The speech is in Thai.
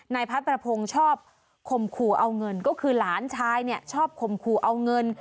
นายพระประพงศ์ชอบข่มขู่เอาเงินก็คือหลานชายเนี่ยชอบข่มขู่เอาเงิน